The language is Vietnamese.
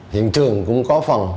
hiện trường cũng có phần